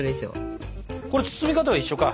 これ包み方は一緒か。